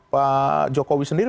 pak jokowi sendiri